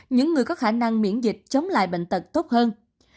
những người có khả năng miễn dịch chống lại bệnh tật tốt hơn